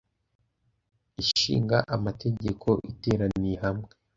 Ishinga Amategeko iteraniye hamwe